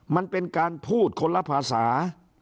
มันเป็นการพูดคนละภาษา